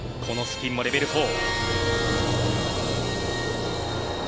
このスピンもレベル４。